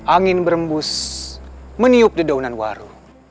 angin berembus meniup di daunan waru